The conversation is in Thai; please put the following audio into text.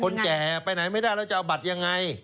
แก่ไปไหนไม่ได้แล้วจะเอาบัตรยังไง